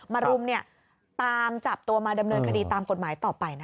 รุมตามจับตัวมาดำเนินคดีตามกฎหมายต่อไปนะคะ